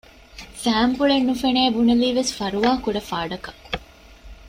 ފައިންޕުޅެއް ނުފެނެއޭ ބުނެލީވެސް ފަރުވާކުޑަ ފާޑަކަށް